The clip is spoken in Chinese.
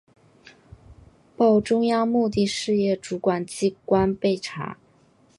报中央目的事业主管机关备查